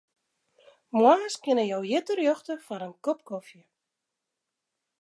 Moarns kinne jo hjir terjochte foar in kop kofje.